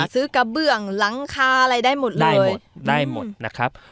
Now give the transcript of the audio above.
อ่าซื้อกระเปื่งหลังคาอะไรได้หมดเลยได้หมดได้หมดนะครับ